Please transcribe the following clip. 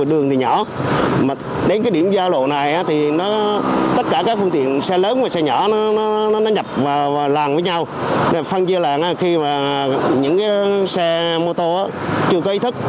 phân chia là khi mà những cái xe mô tô chưa có ý thức